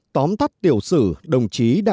tóm tắt tiểu sử đồng chí đại tướng lê đức anh